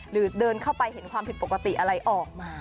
เดินเข้าไปเห็นความผิดปกติอะไรออกมา